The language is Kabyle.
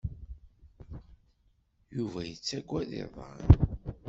Yuba yettagad iḍan.